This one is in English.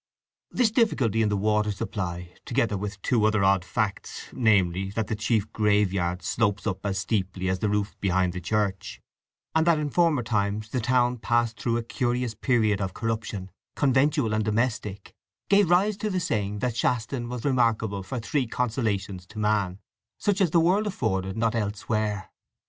This difficulty in the water supply, together with two other odd facts, namely, that the chief graveyard slopes up as steeply as a roof behind the church, and that in former times the town passed through a curious period of corruption, conventual and domestic, gave rise to the saying that Shaston was remarkable for three consolations to man, such as the world afforded not elsewhere.